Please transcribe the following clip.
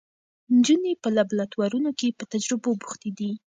نجونې په لابراتوارونو کې په تجربو بوختې دي.